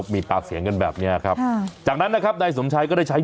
มีปากเสียงกันค่ะทีนี้